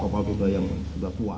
kapal kuda yang sudah tua